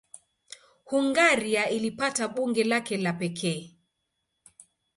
Hungaria ilipata bunge lake la pekee.